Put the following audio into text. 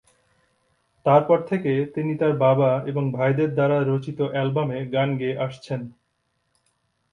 তারপর থেকে তিনি তার বাবা এবং ভাইদের দ্বারা রচিত অ্যালবামে গান গেয়ে আসছেন।